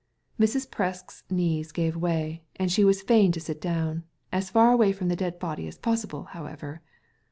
Mrs. Presk's knees gave way, and she was fain to sit down — as far away from the dead body as possible however.